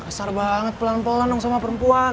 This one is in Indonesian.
besar banget pelan pelan dong sama perempuan